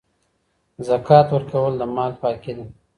زکات ورکول د مال پاکي ده.